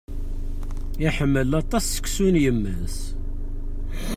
Iḥemmel aṭas seksu n yemma-s.